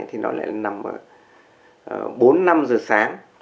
thì nó lại nằm ở bốn năm giờ sáng